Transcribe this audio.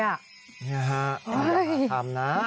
นี่ฮะเอาอย่างน้ำทำนะ